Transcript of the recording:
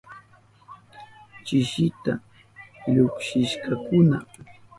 Chisita llukshishkakuna.